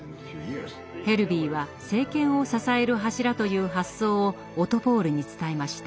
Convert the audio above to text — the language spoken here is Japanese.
ヘルヴィーは「政権を支える柱」という発想をオトポール！に伝えました。